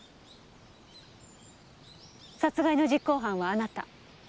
殺害の実行犯はあなた。